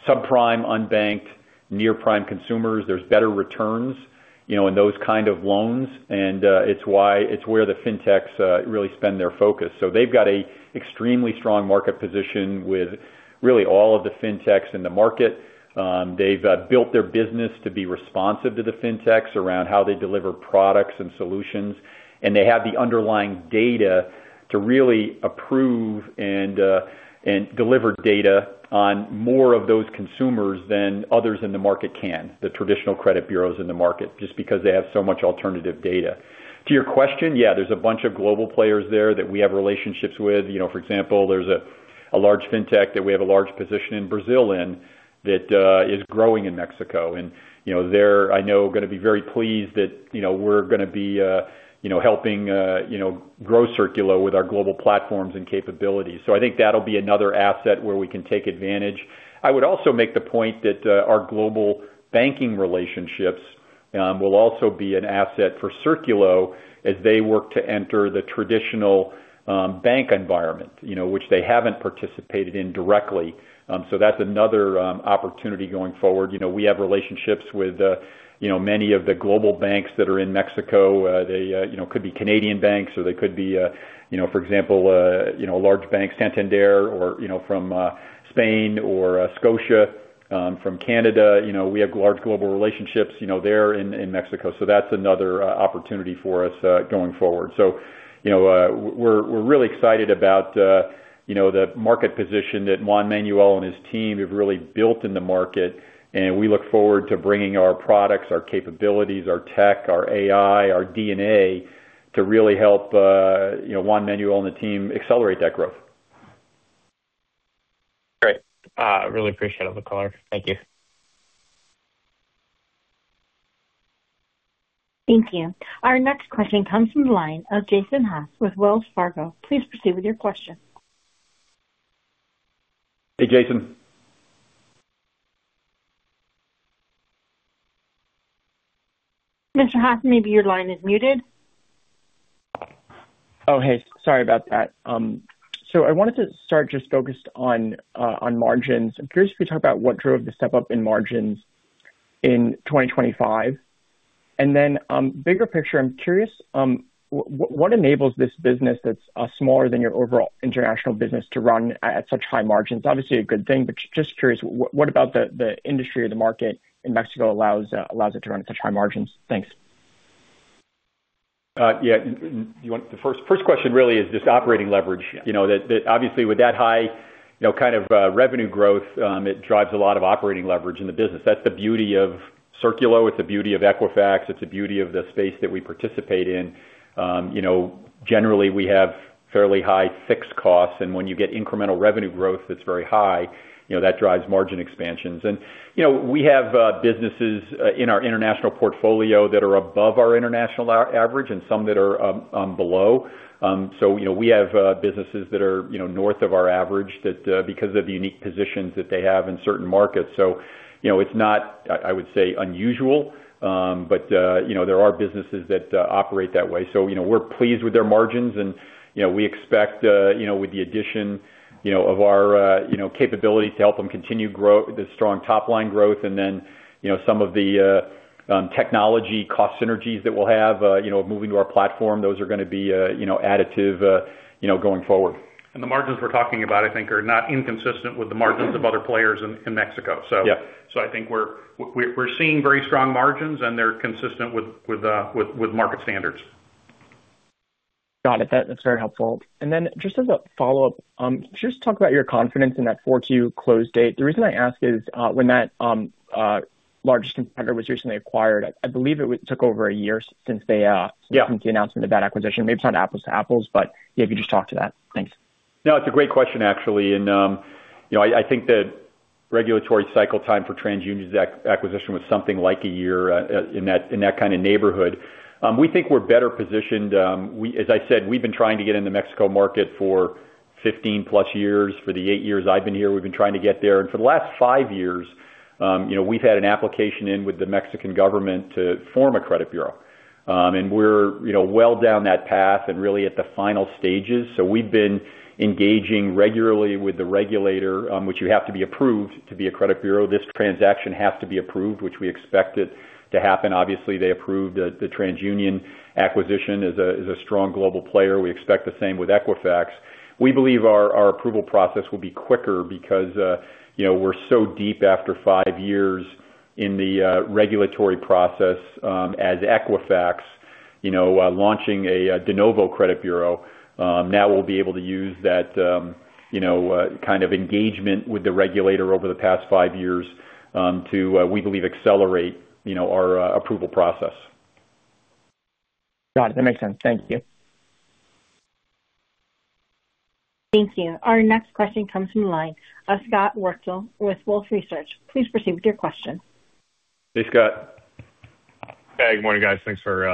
subprime, unbanked, near-prime consumers. There's better returns in those kind of loans, it's where the fintechs really spend their focus. They've got a extremely strong market position with really all of the fintechs in the market. They've built their business to be responsive to the fintechs around how they deliver products and solutions, they have the underlying data to really approve and deliver data on more of those consumers than others in the market can, the traditional credit bureaus in the market, just because they have so much alternative data. To your question, yeah, there's a bunch of global players there that we have relationships with. For example, there's a large fintech that we have a large position in Brazil in that is growing in Mexico. They're, I know, going to be very pleased that we're going to be helping grow Círculo with our global platforms and capabilities. I think that'll be another asset where we can take advantage. I would also make the point that our global banking relationships will also be an asset for Círculo as they work to enter the traditional bank environment which they haven't participated in directly. That's another opportunity going forward. We have relationships with many of the global banks that are in Mexico. They could be Canadian banks or they could be, for example large banks, Santander from Spain or Scotiabank from Canada. We have large global relationships there in Mexico. That's another opportunity for us going forward. We're really excited about the market position that Juan Manuel and his team have really built in the market, and we look forward to bringing our products, our capabilities, our tech, our AI, our DNA to really help Juan Manuel and the team accelerate that growth. Great. Really appreciate for the color. Thank you. Thank you. Our next question comes from the line of Jason Haas with Wells Fargo. Please proceed with your question. Hey, Jason. Mr. Haas, maybe your line is muted. Oh, hey. Sorry about that. I wanted to start just focused on margins. I'm curious if you could talk about what drove the step-up in margins in 2025. Bigger picture, I'm curious, what enables this business that's smaller than your overall international business to run at such high margins? Obviously a good thing, but just curious, what about the industry or the market in Mexico allows it to run at such high margins? Thanks. Yeah. First question really is just operating leverage. That obviously with that high kind of revenue growth, it drives a lot of operating leverage in the business. That's the beauty of Círculo, it's the beauty of Equifax, it's the beauty of the space that we participate in. Generally, we have fairly high fixed costs, when you get incremental revenue growth that's very high, that drives margin expansions. We have businesses in our international portfolio that are above our international average and some that are below. We have businesses that are north of our average because of the unique positions that they have in certain markets. It's not, I would say, unusual, but there are businesses that operate that way. We're pleased with their margins, and we expect with the addition of our capability to help them continue the strong top-line growth and some of the technology cost synergies that we'll have moving to our platform, those are going to be additive going forward. The margins we're talking about, I think, are not inconsistent with the margins of other players in Mexico. Yeah. I think we're seeing very strong margins, and they're consistent with market standards. Got it. That's very helpful. Just as a follow-up, could you just talk about your confidence in that 4Q close date? The reason I ask is, when that largest competitor was recently acquired, I believe it took over a year since. Yeah since the announcement of that acquisition. Maybe it's not apples to apples, but yeah, if you could just talk to that. Thanks. No, it's a great question, actually. I think Regulatory cycle time for TransUnion's acquisition was something like a year, in that kind of neighborhood. We think we're better positioned. As I said, we've been trying to get in the Mexico market for 15+ years. For the eight years I've been here, we've been trying to get there. For the last five years, we've had an application in with the Mexican government to form a credit bureau. We're well down that path and really at the final stages. We've been engaging regularly with the regulator, which you have to be approved to be a credit bureau. This transaction has to be approved, which we expect it to happen. Obviously, they approved the TransUnion acquisition as a strong global player. We expect the same with Equifax. We believe our approval process will be quicker because we're so deep after five years in the regulatory process as Equifax, launching a de novo credit bureau. Now we'll be able to use that kind of engagement with the regulator over the past five years, to, we believe, accelerate our approval process. Got it. That makes sense. Thank you. Thank you. Our next question comes from the line of Scott Wurtzel with Wolfe Research. Please proceed with your question. Hey, Scott. Hey, good morning, guys. Thanks for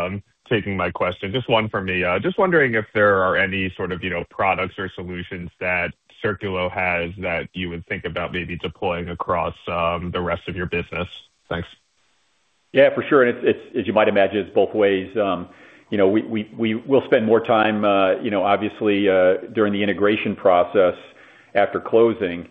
taking my question. Just one from me. Just wondering if there are any sort of products or solutions that Círculo has that you would think about maybe deploying across the rest of your business. Thanks. Yeah, for sure. As you might imagine, it's both ways. We'll spend more time obviously, during the integration process after closing.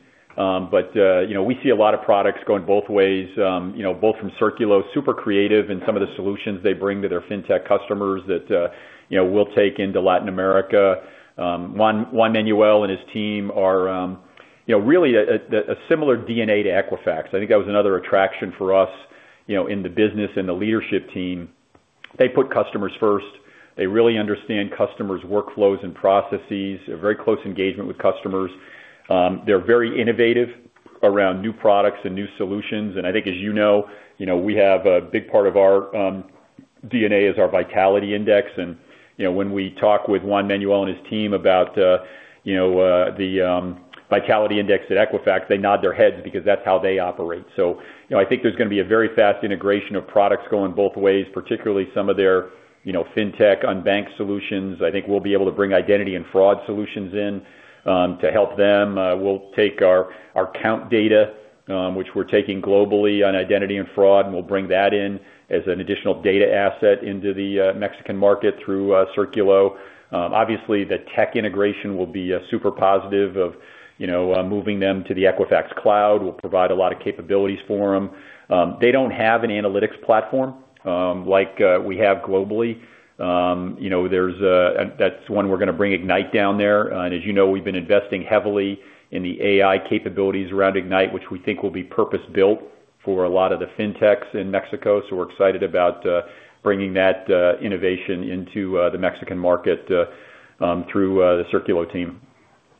We see a lot of products going both ways, both from Círculo, super creative in some of the solutions they bring to their fintech customers that we'll take into Latin America. Juan Manuel and his team are really a similar DNA to Equifax. I think that was another attraction for us in the business and the leadership team. They put customers first. They really understand customers' workflows and processes. A very close engagement with customers. They're very innovative around new products and new solutions. I think as you know, we have a big part of our DNA is our Vitality Index. When we talk with Juan Manuel and his team about the Vitality Index at Equifax, they nod their heads because that's how they operate. I think there's going to be a very fast integration of products going both ways, particularly some of their fintech unbanked solutions. I think we'll be able to bring identity and fraud solutions in to help them. We'll take our count data which we're taking globally on identity and fraud, and we'll bring that in as an additional data asset into the Mexican market through Círculo. Obviously, the tech integration will be super positive of moving them to the Equifax Cloud. We'll provide a lot of capabilities for them. They don't have an analytics platform like we have globally. That's one we're going to bring Equifax Ignite down there. As you know, we've been investing heavily in the AI capabilities around Equifax Ignite, which we think will be purpose-built for a lot of the fintechs in Mexico. We're excited about bringing that innovation into the Mexican market through the Círculo team.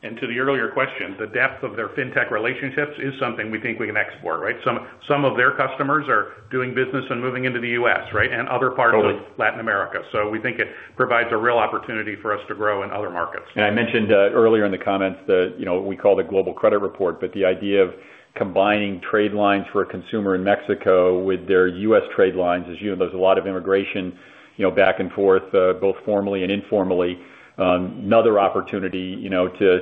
To the earlier question, the depth of their fintech relationships is something we think we can export, right? Some of their customers are doing business and moving into the U.S., right? Other parts- Totally of Latin America. We think it provides a real opportunity for us to grow in other markets. I mentioned earlier in the comments what we call the global credit report, but the idea of combining trade lines for a consumer in Mexico with their U.S. trade lines. As you know, there's a lot of immigration back and forth both formally and informally. Another opportunity to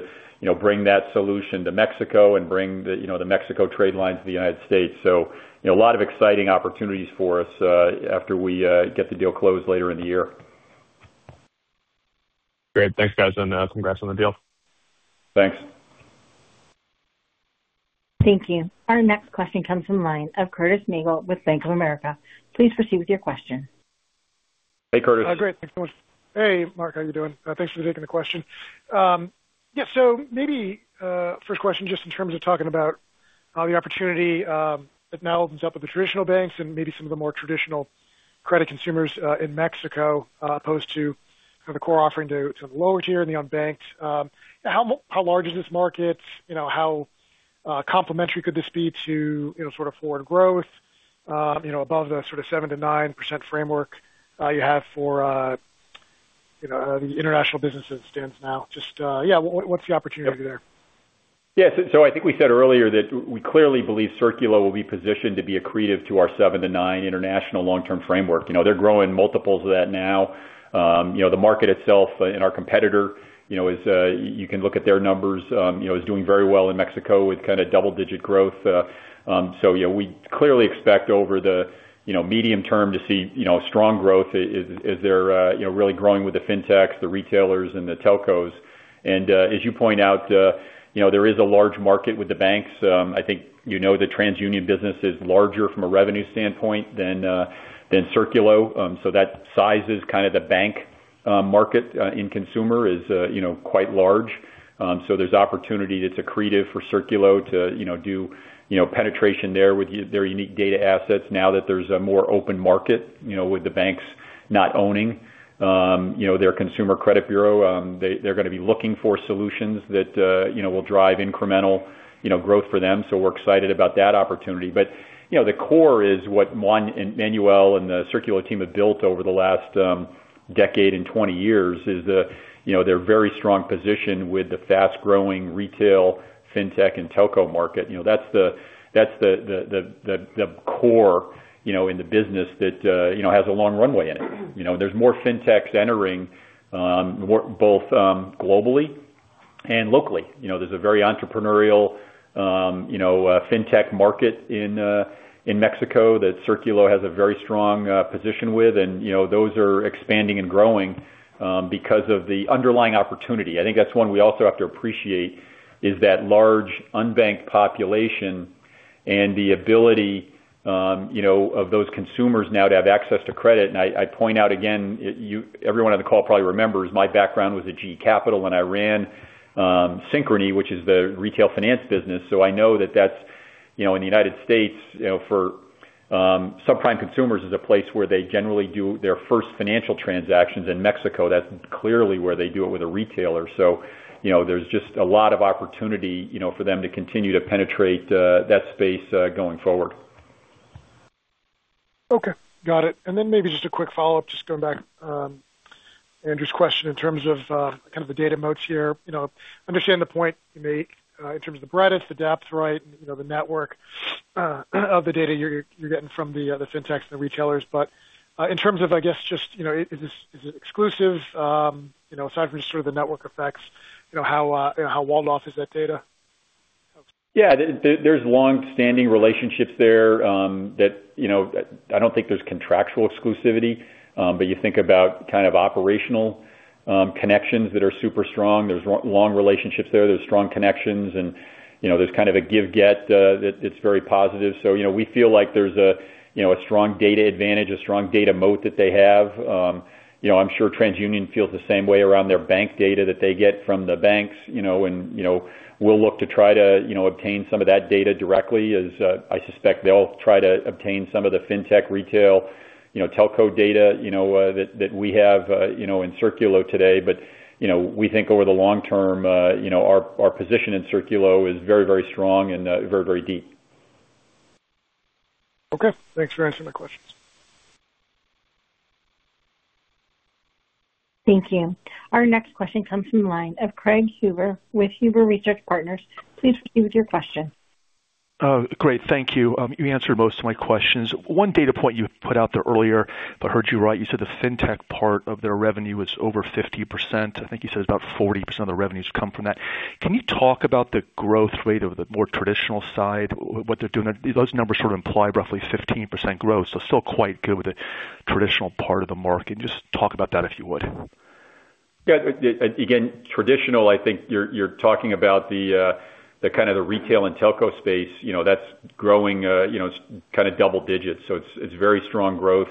bring that solution to Mexico and bring the Mexico trade lines to the United States. A lot of exciting opportunities for us after we get the deal closed later in the year. Great. Thanks, guys, and congrats on the deal. Thanks. Thank you. Our next question comes from the line of Curtis Nagle with Bank of America. Please proceed with your question. Hey, Curtis. Great. Thanks so much. Hey, Mark. How you doing? Thanks for taking the question. Maybe first question just in terms of talking about the opportunity that now opens up with the traditional banks and maybe some of the more traditional credit consumers in Mexico as opposed to the core offering to the lower tier and the unbanked. How large is this market? How complementary could this be to forward growth above the 7%-9% framework you have for the international business as it stands now? Just what's the opportunity there? I think we said earlier that we clearly believe Círculo will be positioned to be accretive to our 7-9 international long-term framework. They're growing multiples of that now. The market itself and our competitor you can look at their numbers, is doing very well in Mexico with double-digit growth. We clearly expect over the medium term to see strong growth as they're really growing with the fintechs, the retailers, and the telcos. As you point out, there is a large market with the banks. I think you know the TransUnion business is larger from a revenue standpoint than Círculo. That size is kind of the bank market in consumer is quite large. There's opportunity that's accretive for Círculo to do penetration there with their unique data assets now that there's a more open market with the banks not owning their consumer credit bureau. They're going to be looking for solutions that will drive incremental growth for them. We're excited about that opportunity. The core is what Juan Manuel and the Círculo team have built over the last decade and 20 years is their very strong position with the fast-growing retail fintech and Telco market. That's the core in the business that has a long runway in it. There's more fintechs entering both globally and locally. There's a very entrepreneurial fintech market in Mexico that Círculo has a very strong position with, those are expanding and growing because of the underlying opportunity. I think that's one we also have to appreciate is that large unbanked population and the ability of those consumers now to have access to credit. I point out again, everyone on the call probably remembers my background was at GE Capital when I ran Synchrony, which is the retail finance business. I know that that's, in the U.S., for subprime consumers is a place where they generally do their first financial transactions. In Mexico, that's clearly where they do it with a retailer. There's just a lot of opportunity for them to continue to penetrate that space going forward. Okay, got it. Maybe just a quick follow-up, just going back. Andrew's question in terms of the data moats here. Understand the point you make in terms of the breadth, the depth, the network of the data you're getting from the fintechs and the retailers. In terms of, I guess, is it exclusive aside from just the network effects, how walled off is that data? Yeah, there's longstanding relationships there that I don't think there's contractual exclusivity. You think about kind of operational connections that are super strong. There's long relationships there. There's strong connections, and there's kind of a give-get that's very positive. We feel like there's a strong data advantage, a strong data moat that they have. I'm sure TransUnion feels the same way around their bank data that they get from the banks. We'll look to try to obtain some of that data directly as I suspect they'll try to obtain some of the fintech retail Telco data that we have in Círculo today. We think over the long term our position in Círculo is very strong and very deep. Okay. Thanks for answering my questions. Thank you. Our next question comes from the line of Craig Huber with Huber Research Partners. Please proceed with your question. Great. Thank you. You answered most of my questions. One data point you put out there earlier, if I heard you right, you said the fintech part of their revenue was over 50%. I think you said it's about 40% of the revenues come from that. Can you talk about the growth rate of the more traditional side, what they're doing there? Those numbers imply roughly 15% growth, so still quite good with the traditional part of the market. Just talk about that, if you would. Yeah. Again, traditional, I think you're talking about the retail and Telco space. That's growing double digits. It's very strong growth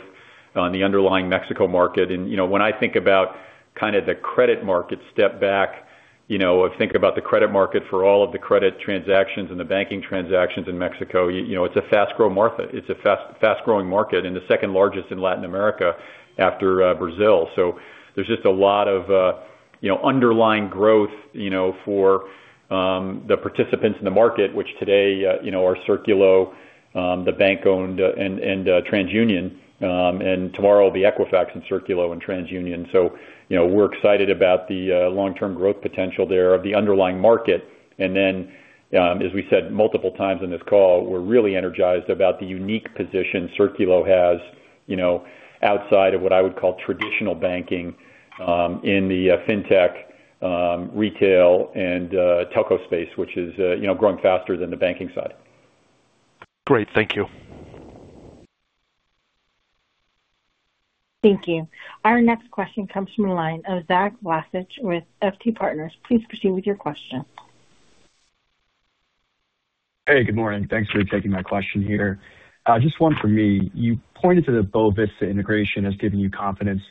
on the underlying Mexico market. When I think about the credit market step back, I think about the credit market for all of the credit transactions and the banking transactions in Mexico, it's a fast-growing market and the second largest in Latin America after Brazil. There's just a lot of underlying growth for the participants in the market which today are Círculo, the bank-owned and TransUnion and tomorrow will be Equifax and Círculo and TransUnion. We're excited about the long-term growth potential there of the underlying market. As we said multiple times in this call, we're really energized about the unique position Círculo has outside of what I would call traditional banking in the fintech retail and telco space, which is growing faster than the banking side. Great. Thank you. Thank you. Our next question comes from the line of Zach Vlacich with FT Partners. Please proceed with your question. Hey, good morning. Thanks for taking my question here. Just one for me. You pointed to the Boa Vista integration as giving you confidence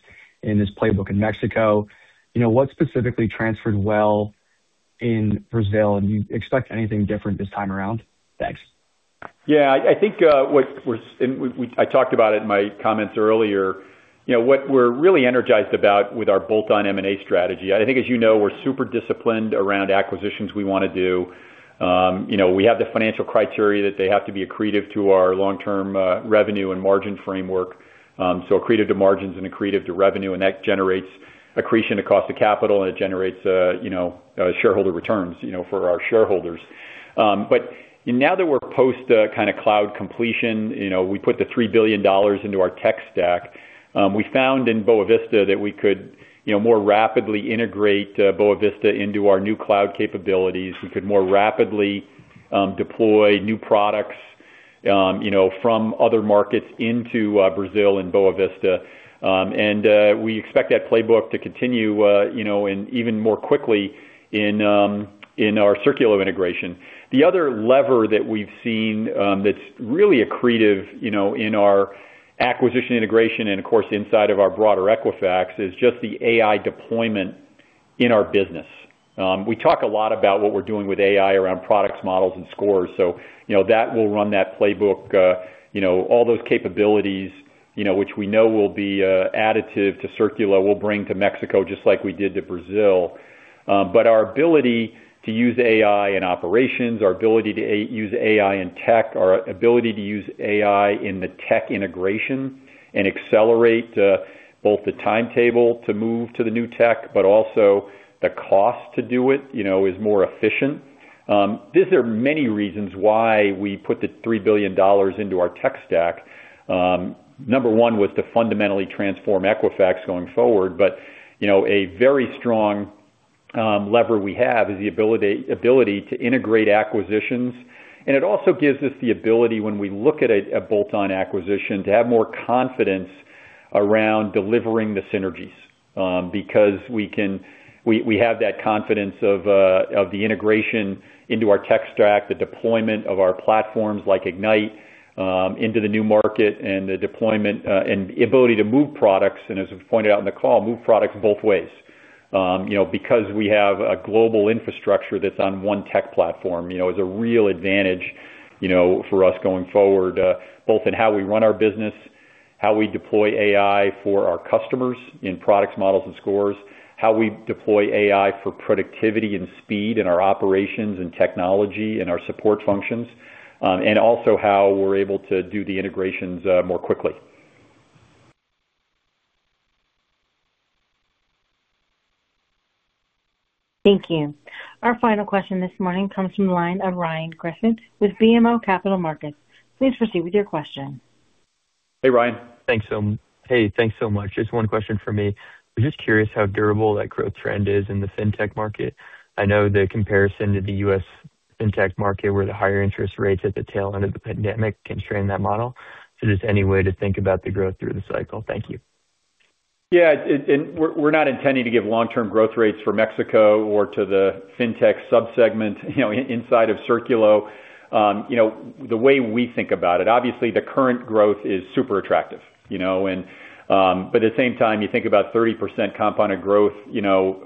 in this playbook in Mexico. What specifically transferred well in Brazil and do you expect anything different this time around? Thanks. Yeah, I think I talked about it in my comments earlier. What we're really energized about with our bolt-on M&A strategy, I think as you know, we're super disciplined around acquisitions we want to do. We have the financial criteria that they have to be accretive to our long-term revenue and margin framework. Accretive to margins and accretive to revenue and that generates accretion to cost of capital and it generates shareholder returns for our shareholders. Now that we're post cloud completion, we put the $3 billion into our tech stack. We found in Boa Vista that we could more rapidly integrate Boa Vista into our new cloud capabilities. We could more rapidly deploy new products from other markets into Brazil and Boa Vista. We expect that playbook to continue and even more quickly in our Círculo integration. The other lever that we've seen that's really accretive in our acquisition integration and of course inside of our broader Equifax is just the AI deployment in our business. We talk a lot about what we're doing with AI around products, models, and scores. That will run that playbook. All those capabilities, which we know will be additive to Círculo, we'll bring to Mexico just like we did to Brazil. Our ability to use AI in operations, our ability to use AI in tech, our ability to use AI in the tech integration and accelerate both the timetable to move to the new tech, but also the cost to do it, is more efficient. These are many reasons why we put the $3 billion into our tech stack. Number one was to fundamentally transform Equifax going forward. A very strong lever we have is the ability to integrate acquisitions, and it also gives us the ability when we look at a bolt-on acquisition to have more confidence around delivering the synergies. Because we have that confidence of the integration into our tech stack, the deployment of our platforms like Ignite into the new market, and the deployment and ability to move products, and as we pointed out in the call, move products both ways. Because we have a global infrastructure that's on one tech platform, is a real advantage for us going forward, both in how we run our business, how we deploy AI for our customers in products, models, and scores, how we deploy AI for productivity and speed in our operations and technology and our support functions, and also how we're able to do the integrations more quickly. Thank you. Our final question this morning comes from the line of Ryan Griffin with BMO Capital Markets. Please proceed with your question. Hey, Ryan. Hey, thanks so much. Just one question for me. I'm just curious how durable that growth trend is in the fintech market. I know the comparison to the U.S. fintech market, where the higher interest rates at the tail end of the pandemic constrained that model. Just any way to think about the growth through the cycle. Thank you. We're not intending to give long-term growth rates for Mexico or to the fintech sub-segment inside of Círculo. The way we think about it, obviously the current growth is super attractive. At the same time, you think about 30% compounded growth,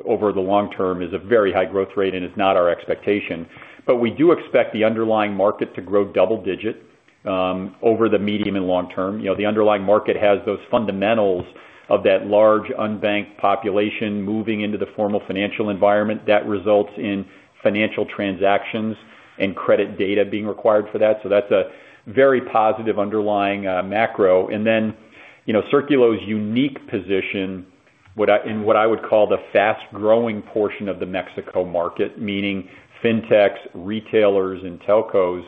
over the long term is a very high growth rate, and it's not our expectation. We do expect the underlying market to grow double-digit, over the medium and long term. The underlying market has those fundamentals of that large unbanked population moving into the formal financial environment that results in financial transactions and credit data being required for that. That's a very positive underlying macro. Then Círculo's unique position in what I would call the fast-growing portion of the Mexico market, meaning fintechs, retailers, and telcos,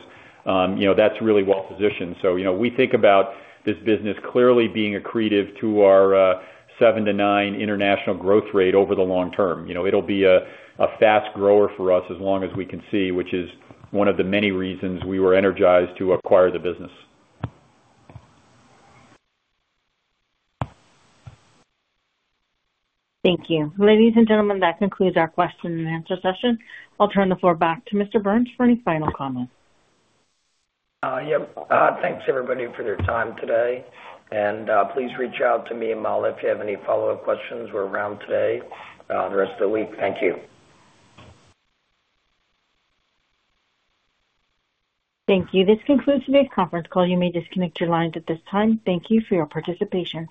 that's really well positioned. We think about this business clearly being accretive to our 7-9 international growth rate over the long term. It'll be a fast grower for us as long as we can see, which is one of the many reasons we were energized to acquire the business. Thank you. Ladies and gentlemen, that concludes our question and answer session. I'll turn the floor back to Mr. Burns for any final comments. Thanks everybody for their time today. Please reach out to me and email it if you have any follow-up questions. We're around today, the rest of the week. Thank you. Thank you. This concludes today's conference call. You may disconnect your lines at this time. Thank you for your participation.